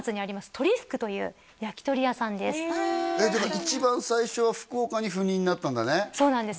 とり福という焼き鳥屋さんですえっだから一番最初は福岡に赴任になったんだねそうなんです